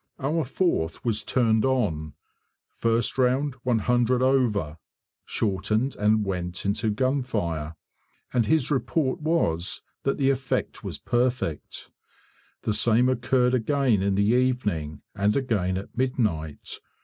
Our 4th was turned on: first round 100 over; shortened and went into gunfire, and his report was that the effect was perfect. The same occurred again in the evening, and again at midnight.